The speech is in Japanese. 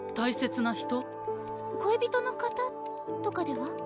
恋人の方とかでは？